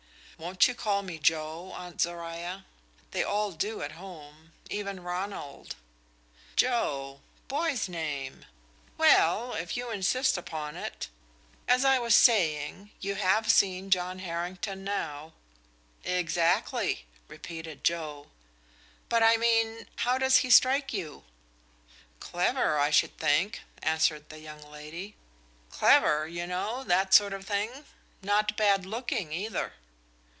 "Won't you call me Joe, aunt Zoruiah? They all do at home even Ronald." "Joe? Boy's name. Well, if you insist upon it. As I was saying, you have seen John Harrington, now." "Exactly," repeated Joe. "But I mean, how does he strike you?" "Clever I should think," answered the young lady. "Clever, you know that sort of thing. Not bad looking, either."